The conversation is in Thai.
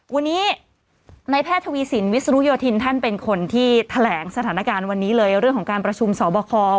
วันนี้ในแพทย์ทวีสินวิศนุโยธินท่านเป็นคนที่แถลงสถานการณ์วันนี้เลยเรื่องของการประชุมสอบคอ